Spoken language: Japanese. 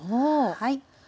はい。